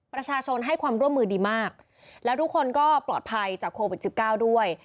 ประชาชนให้ความร่วมมือดีมากแล้วทุกคนก็ปลอดภัยจากโควิด๑๙ด้วย